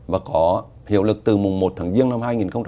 và có hiệu lực từ mùng một tháng giêng năm hai nghìn một mươi một